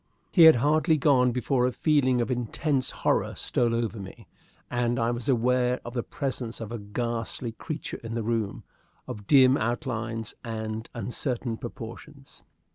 He had hardly gone before a feeling of intense horror stole over me, and I was aware of the presence of a ghastly creature in the room, of dim outlines and uncertain proportions.